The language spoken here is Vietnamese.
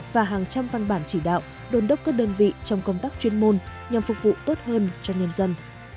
và hàng trăm văn bản chỉ đạo đồn đốc các đơn vị trong công tác chuyên môn nhằm phục vụ tốt hơn cho nhân dân